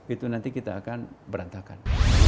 itu nanti kita akan berantakan